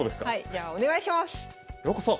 じゃあお願いします！